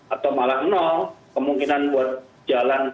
atau malah nol kemungkinan buat jalan